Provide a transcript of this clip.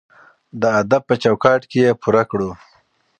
د ادب په چوکاټ کې یې پوره کړو.